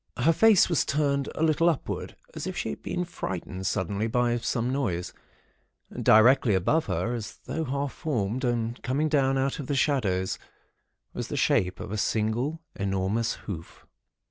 Her face was turned a little upward, as if she had been frightened suddenly by some noise. Directly above her, as though half formed and coming down out of the shadows, was the shape of a single, enormous hoof.